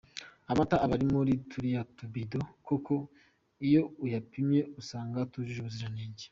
Amata aba ari muri turiya tubido koko iyo uyapimye usanga atujuje ubuziranenge ;.